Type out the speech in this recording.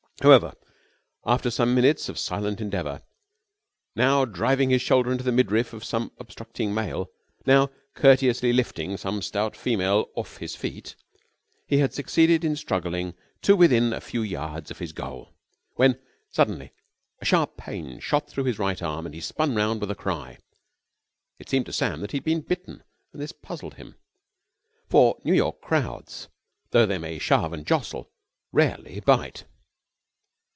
However, after some minutes of silent endeavour, now driving his shoulder into the midriff of some obstructing male, now courteously lifting some stout female off his feet, he had succeeded in struggling to within a few yards of his goal, when suddenly a sharp pain shot through his right arm and he spun round with a cry. It seemed to Sam that he had been bitten, and this puzzled him, for New York crowds, though they may shove and jostle, rarely bite.